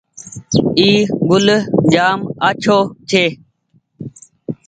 اي گوُل جآم آڇوٚنٚ ڇي